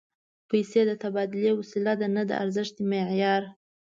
پیسې د تبادلې وسیله ده، نه د ارزښت معیار